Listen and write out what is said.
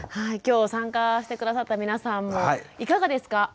今日参加して下さった皆さんもいかがですか？